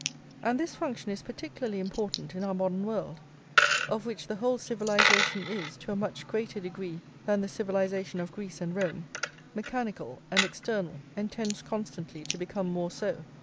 And this function is particularly important in our modern world, of which the whole civilisation is, to a much greater degree than the civilisation of Greece and Rome, mechanical and external, and tends constantly to become more so.